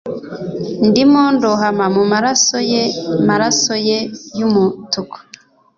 ndimo ndohama mumaraso ye, maraso ye yumutuku